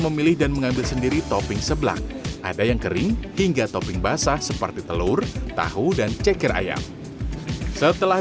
kemudian menu yang paling favorit buat teteh apa